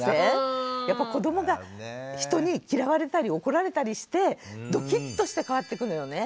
やっぱり子どもが人に嫌われたり怒られたりしてドキッとして変わってくのよね。